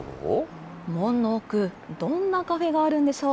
門の奥、どんなカフェがあるんでしょう。